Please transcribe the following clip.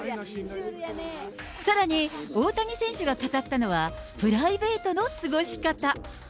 さらに、大谷選手が語ったのは、プライベートの過ごし方。